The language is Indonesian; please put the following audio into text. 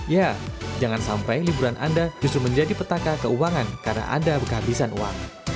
ya jangan sampai liburan anda justru menjadi petaka keuangan karena anda kehabisan uang